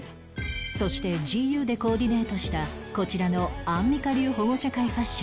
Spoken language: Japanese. そして ＧＵ でコーディネートしたこちらのアンミカ流保護者会ファッション